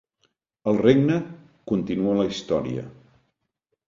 "El Regne" continua la història.